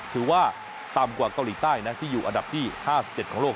ถือว่าต่ำกว่าเกาหลีใต้นะที่อยู่อันดับที่๕๗ของโลก